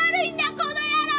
この野郎！